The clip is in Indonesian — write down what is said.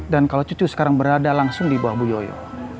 dan kalau cucu sekarang berada langsung di bawah bu yoyo